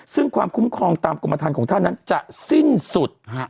ซึ่งความคุ้มครองตามกรมฐานของท่านนั้นจะสิ้นสุด